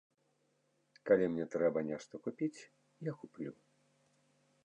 Калі мне трэба нешта купіць, я куплю.